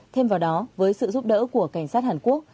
thêm vào đó với sự giúp đỡ của cảnh sát hàn quốc